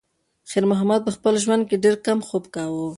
خیر محمد په خپل ژوند کې ډېر کم خوب کاوه.